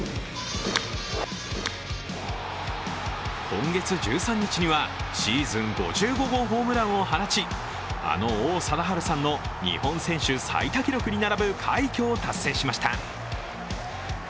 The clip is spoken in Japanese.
今月１３日にはシーズン５５号ホームランを放ち、あの王貞治さんの日本選手最多記録に並ぶ快挙を達成しました。